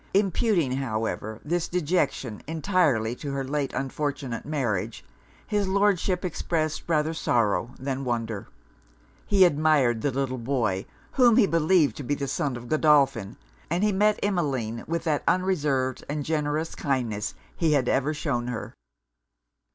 Imputing, however, this dejection entirely to her late unfortunate marriage, his Lordship expressed rather sorrow than wonder. He admired the little boy, whom he believed to be the son of Godolphin; and he met Emmeline with that unreserved and generous kindness he had ever shewn her.